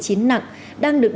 đang được định hướng